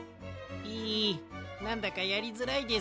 ピイなんだかやりづらいですね。